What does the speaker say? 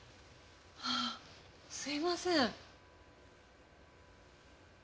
あすいません。